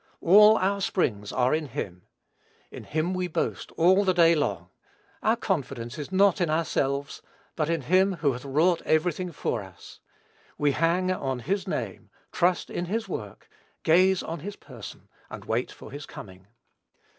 All our springs are in him. In him we boast all the day long. Our confidence is not in ourselves, but in him who hath wrought every thing for us. We hang on his name, trust in his work, gaze on his person, and wait for his coming.